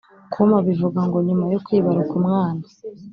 com abivuga ngo nyuma yo kwibaruka umwana